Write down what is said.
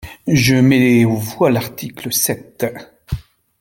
Je mets aux voix l’article sept.